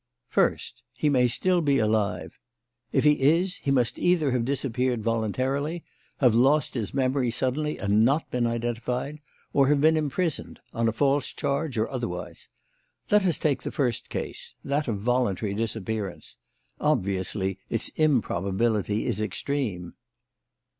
"First, he may still be alive. If he is, he must either have disappeared voluntarily, have lost his memory suddenly and not been identified, or have been imprisoned on a false charge or otherwise. Let us take the first case that of voluntary disappearance. Obviously, its improbability is extreme."